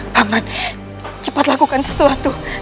paman cepat lakukan sesuatu